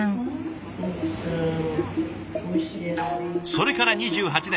それから２８年。